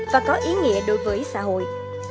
và có ý nghĩa đối với xã hội